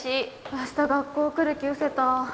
明日学校来る気うせた。